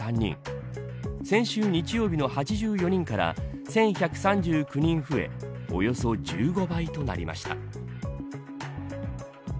先週日曜日の８４人から１１３９人増えおよそ１５倍となりました。